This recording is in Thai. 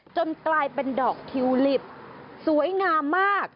จนกลายเป็นดอกทิวลิปสวยงามมาก